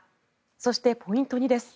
そしてポイント２です。